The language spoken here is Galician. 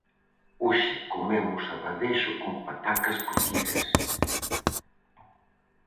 Hoxe comemos abadexo con patacas cocidas.